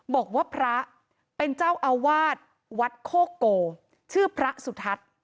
บอกว่าพระเป็นเจ้าอาวาสวัดโคโกชื่อพระสุทัศน์